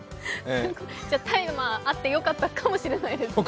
じゃ、タイマーあってよかったかもしれないですね。